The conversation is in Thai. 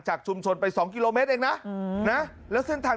จากชุมชนไปสองกิโลเมตรเองน่ะอืมนะแล้วเส้นทาง